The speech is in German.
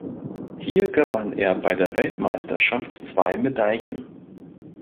Hier gewann er bei der Weltmeisterschaft zwei Medaillen.